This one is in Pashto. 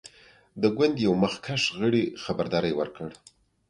د ګوند یوه مخکښ غړي خبرداری ورکړ.